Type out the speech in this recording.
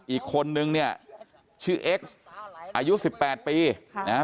อีกคนนึงเนี่ยชื่อเอ็กซ์อายุสิบแปดปีค่ะนะฮะ